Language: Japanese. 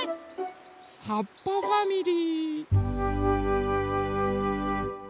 はっぱファミリ−。